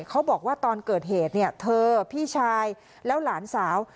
เขาบอกว่าตอนเกิดเหตุเนี่ยเธอพี่ชายแล้วหลานสาว